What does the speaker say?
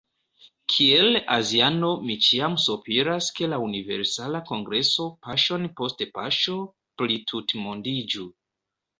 Kiel aziano mi ĉiam sopiras ke la Universala Kongreso paŝon post paŝo plitutmondiĝu.